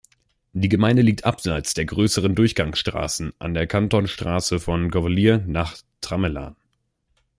Die Gemeinde liegt abseits der grösseren Durchgangsstrassen an der Kantonsstrasse von Glovelier nach Tramelan.